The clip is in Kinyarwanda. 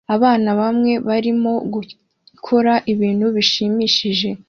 Abana bamwe barimo gukora ibintu bishimishije